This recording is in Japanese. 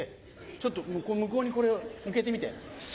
ちょっと向こうにこれ向けてみて。